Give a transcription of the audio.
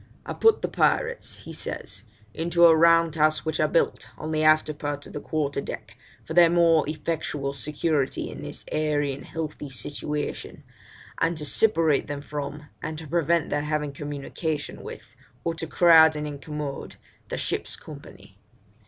'I put the pirates,' he says, 'into a round house which I built on the after part of the quarter deck, for their more effectual security in this airy and healthy situation, and to separate them from, and to prevent their having communication with, or to crowd and incommode, the ship's company.'